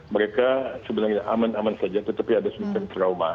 mereka sebenarnya aman aman saja tetapi ada sedikit trauma